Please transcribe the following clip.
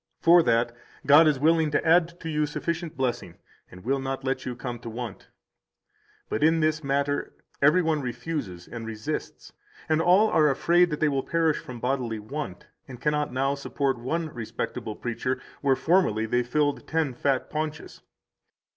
For that, God is willing to add to you sufficient blessing and will not let you come to want. 162 But in this matter every one refuses and resists, and all are afraid that they will perish from bodily want, and cannot now support one respectable preacher, where formerly they filled ten fat paunches.